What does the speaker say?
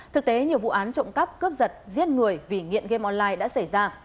thực tế nhiều vụ án trộm cắp cướp giật giết người vì nghiện game online đã xảy ra